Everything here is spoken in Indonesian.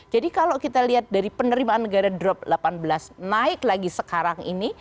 jadi kalau kita lihat dari penerimaan negara drop delapan belas naik lagi sekarang ini